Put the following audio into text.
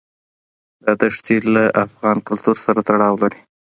دا دښتې له افغان کلتور سره تړاو لري.